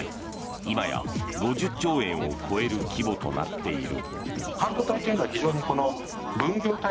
今や、５０兆円を超える規模となっている。